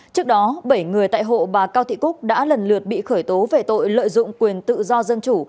trước đó bảy người tại hộ bà cao thị cúc đã lần lượt bị khởi tố về tội lợi dụng quyền tự do dân chủ